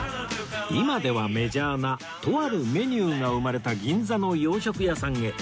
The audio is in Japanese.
今ではメジャーなとあるメニューが生まれた銀座の洋食屋さんへ